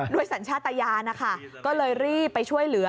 สัญชาติยานนะคะก็เลยรีบไปช่วยเหลือ